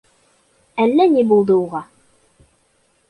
Әллә ни булды уға.